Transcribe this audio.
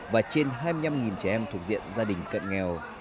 và trên hai mươi năm trẻ em thuộc diện gia đình cận nghèo